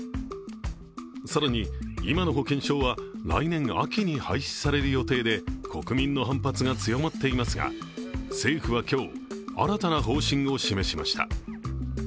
更に、今の保険証は来年秋に廃止される予定で国民の反発が強まっていますが政府は今日、新たな方針を示しました。